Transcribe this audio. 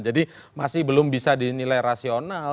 jadi masih belum bisa dinilai rasional